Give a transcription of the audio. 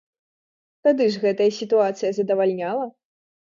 Тады ж гэтая сітуацыя задавальняла!